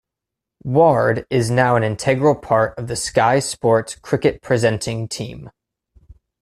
Ward is now an integral part of the Sky Sports cricket presenting team.